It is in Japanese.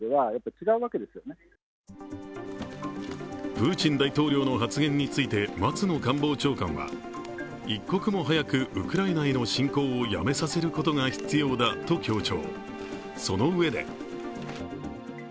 プーチン大統領の発言について松野官房長官は、一刻も早くウクライナへの侵攻をやめさせることが必要と強調。